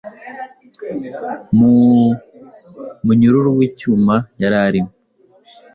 Mu munyururu w'icyuma yari arimo